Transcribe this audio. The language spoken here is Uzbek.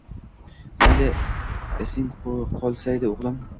Mayli izing qolsaydi, o’g’lim